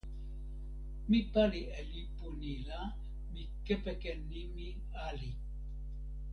mi pali e lipu ni la, mi kepeken nimi "ali".